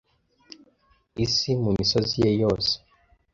Isi mu misozi ye yose,